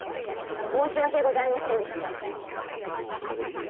申し訳ございませんでした。